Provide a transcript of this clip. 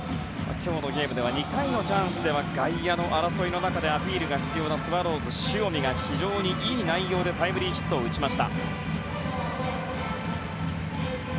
今日のゲームでは２回のチャンスでは外野の争いの中でアピールが必要なスワローズの塩見が非常にいい内容でタイムリーヒットを打ちました。